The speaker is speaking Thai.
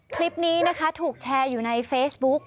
คลิปนี้นะคะถูกแชร์อยู่ในเฟซบุ๊ก